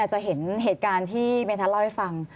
จะเห็นเหตุการณ์ที่เมธัศเล่าให้ฟัง